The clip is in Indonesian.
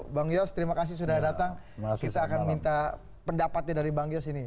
bang yos terima kasih sudah datang kita akan minta pendapatnya dari bang yos ini